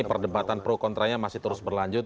perdebatan pro kontra nya masih terus berlanjut